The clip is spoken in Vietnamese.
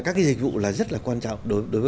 các cái dịch vụ là rất là quan trọng